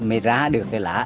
mình ra được cái lá